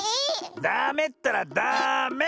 ダメったらダメ！